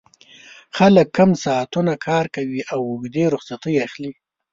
خلک کم ساعتونه کار کوي او اوږدې رخصتۍ اخلي